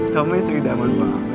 kamu istri daman banget